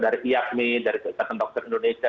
dari iafmi dari kekuatan dokter indonesia